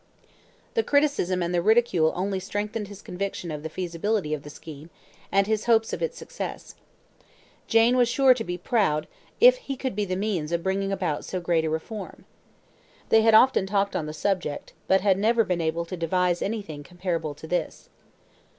The criticism and the ridicule only strengthened his conviction of the feasibility of the scheme, and his hopes of its success. Jane was sure to be proud if he could be the means of bringing about so great a reform. They had often talked on the subject, but had never been able to devise anything comparable to this.